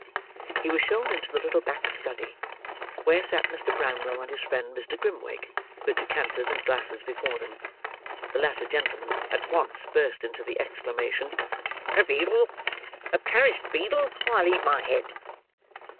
He was shown into the little back study, where sat Mr. Brownlow and his friend Mr. Grimwig, with decanters and glasses before them. The latter gentleman at once burst into the exclamation: "A beadle. A parish beadle, or I'll eat my head."